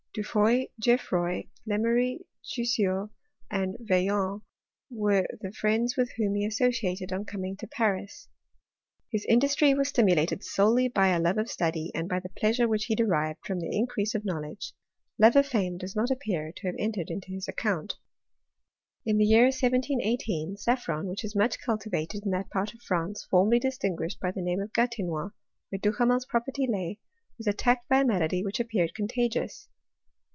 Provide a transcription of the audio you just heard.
Dufoy, Geoffipoy, Lemery, Jussieu, and Vaillant, were the friends with whom he associated on coming to Paris. His industry was stimulated solely by a love of study, and by the pleasure which he derived from the increase of knowledge ; love of fame does not appear to have entered into his account. In the year 1718 saffron, which is much cultivated in that part of France formerly distinguished by the name of Gatinois, where DuhameFs property lay, was attacked by a malady which appeared contagious.